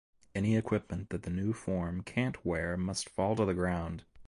Any equipment that the new form can’t wear must fall to the ground.